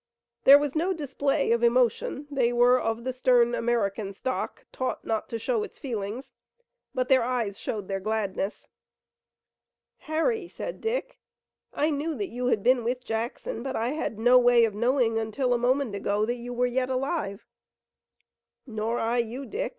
There was no display of emotion they were of the stern American stock, taught not to show its feelings but their eyes showed their gladness. "Harry," said Dick, "I knew that you had been with Jackson, but I had no way of knowing until a moment ago that you were yet alive." "Nor I you, Dick.